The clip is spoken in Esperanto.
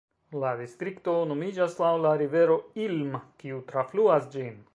La distrikto nomiĝas laŭ la rivero Ilm, kiu trafluas ĝin.